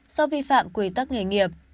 do vi phạm quy tắc nghề nghiệp